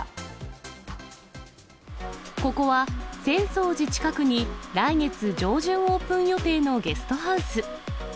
ここは、浅草寺近くに来月上旬オープン予定のゲストハウス。